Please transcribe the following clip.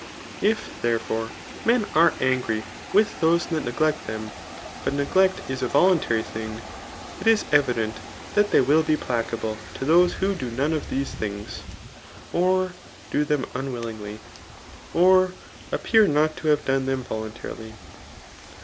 . I^ therefwei men are angry vnA those diat. neglect diem, but neglect is a voluntairy thmg» it is evident that diey will be placable to those who dp pone of diese things, or do them unmUis^ly) or appear not to have dobfe them voluiHarily.